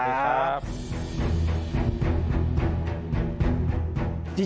สวัสดีครับ